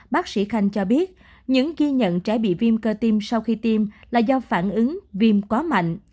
bác sĩ khanh cho biết những ghi nhận trẻ bị viêm cơ tim sau khi tiêm là do phản ứng viêm quá mạnh